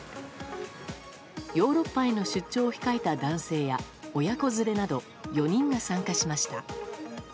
ヨーロッパへの出張を控えた男性や親子連れなど４人が参加しました。